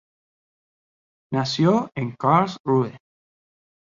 Nació en Karlsruhe.